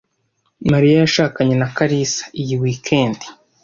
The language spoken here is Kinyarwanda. Maria yashakanye na Kalisa iyi weekend